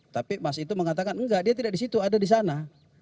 tapi mas itu mengatakan enggak dia tidak di situ ada di sana